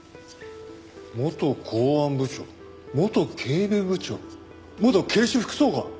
元公安部長元警備部長元警視副総監！